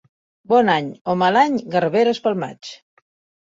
Bon any o mal any, garberes pel maig.